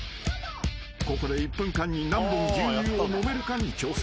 ［ここで１分間に何本牛乳を飲めるかに挑戦］